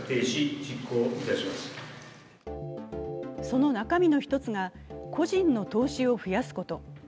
その中身の一つが個人の投資を増やすこと。